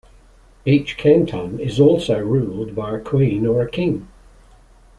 Each canton is also ruled by a queen or a king.